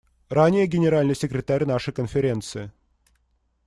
Ранее Генеральный секретарь нашей Конференции.